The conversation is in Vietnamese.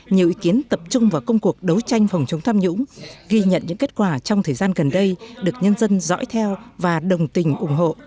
nhiều ý kiến tập trung vào công cuộc đấu tranh phòng chống tham nhũng ghi nhận những kết quả trong thời gian gần đây được nhân dân dõi theo và đồng tình ủng hộ